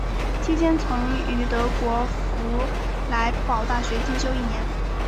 期间曾于德国佛莱堡大学进修一年。